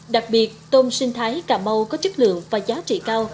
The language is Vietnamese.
đặc biệt tôm sinh thái cà mau có chất lượng và giá trị cao